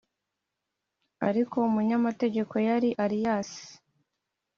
ariko umunyamategeko yari aries